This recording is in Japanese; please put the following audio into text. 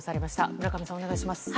村上さん、お願いします。